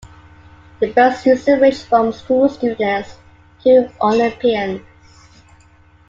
The boat's users range from school students to Olympians.